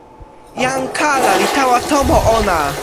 jan kala li tawa tomo ona.